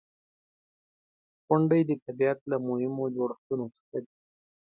• غونډۍ د طبیعت له مهمو جوړښتونو څخه دي.